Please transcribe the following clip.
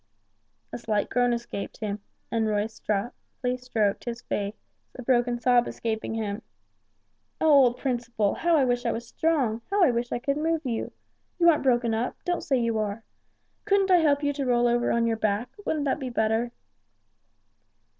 A slight groan escaped him, and Roy softly stroked his face, a broken sob escaping him. "Oh, old Principle, how I wish I was strong, how I wish I could move you! You aren't broken up! Don't say you are. Couldn't I help you to roll over on your back, wouldn't that be better?"